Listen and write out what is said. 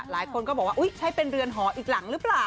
หลายคนก็บอกว่าใช้เป็นเรือนหออีกหลังหรือเปล่า